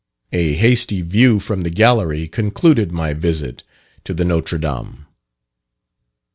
A hasty view from the gallery concluded my visit to the Notre Dame.